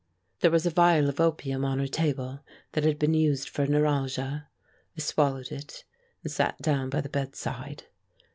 There was a vial of opium on her table that had been used for neuralgia; I swallowed it, and sat down by the bedside.